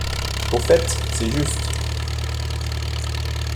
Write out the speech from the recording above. Au fait, c’est juste…